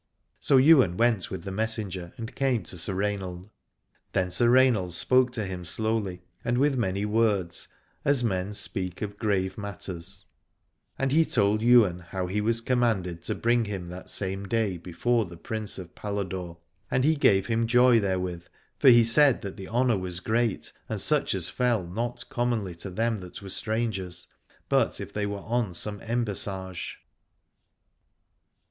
So Ywain went with the messenger and came to Sir Rainald. Then Sir Rainald spoke to him slowly and with many words, as men speak of grave matters : and he told Ywain how he was commanded to bring him that same day before the Prince of Paladore, and he gave him joy therewith, for he said that the honour was great, and such as fell not commonly to them that were strangers, but if they were on some embassage.